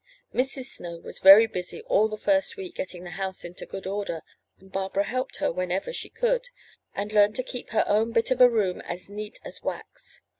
Mrs. Snow was very busy all the first week getting the house into good order, and Barbara helped her whenever she could, and learned to keep her own bit of a room as neat as wax.